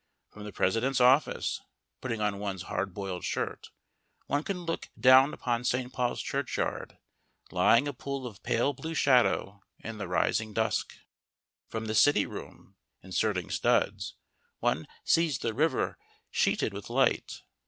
From the President's office (putting on one's hard boiled shirt) one can look down upon St. Paul's churchyard, lying a pool of pale blue shadow in the rising dusk. From the City Room (inserting studs) one sees the river sheeted with light.